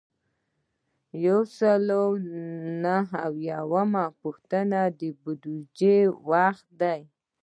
یو سل او نهه اویایمه پوښتنه د بودیجې وخت دی.